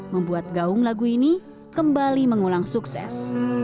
membuat gaung lagu ini kembali mengulang sukses